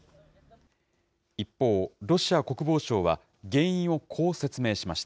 一方、ロシア国防省は、原因をこう説明しました。